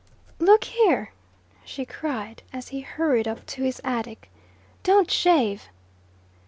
"Look here," she cried, as he hurried up to his attic, "don't shave!"